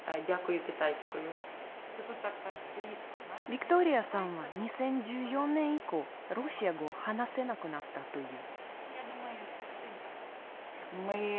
ヴィクトリアさんは２０１４年以降ロシア語を話せなくなったという。